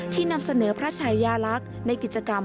นำเสนอพระชายาลักษณ์ในกิจกรรม